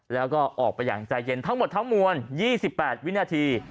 แล้วก็ออกไปอย่างใจเย็นทั้งหมดทั้งมวล๒๘วินาที